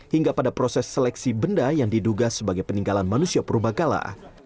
hingga pada proses seleksi benda yang diduga sebagai peninggalan manusia purba kala